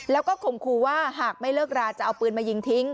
แล้วก็ข่มครูว่าหากไม่เลิกราจะเอาปืนมายิงทิ้ง